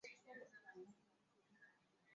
wa serbia amewaomba radhi wananchi wa croatia